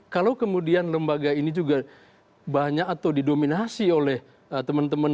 kalau kemudian lembaga ini juga banyak atau didominasi oleh teman teman dari lembaga ini